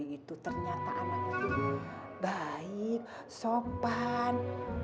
si ramadi itu ternyata amat baik sopan